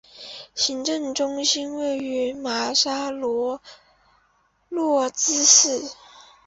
行政中心位于瑙沙罗费洛兹市。